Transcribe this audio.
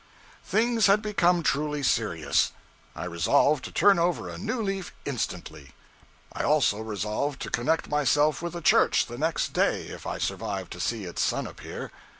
Things had become truly serious. I resolved to turn over a new leaf instantly; I also resolved to connect myself with the church the next day, if I survived to see its sun appear.